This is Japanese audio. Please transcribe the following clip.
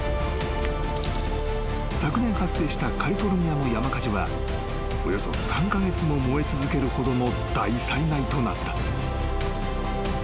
［昨年発生したカリフォルニアの山火事はおよそ３カ月も燃え続けるほどの大災害となった］